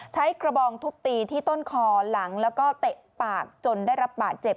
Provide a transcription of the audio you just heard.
ใช้กระบองทุบตีที่ต้นคอหลังแล้วก็เตะปากจนได้รับบาดเจ็บ